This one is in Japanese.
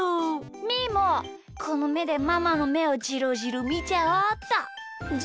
みーもこのめでママのめをじろじろみちゃおうっと。